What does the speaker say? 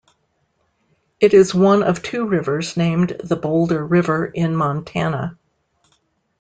It is one of two rivers named the Boulder River in Montana.